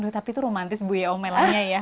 tapi itu romantis bu ya omelannya ya